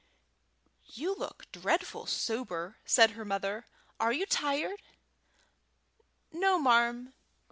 "You look dreadful sober," said her mother. "Are you tired?" "No, marm."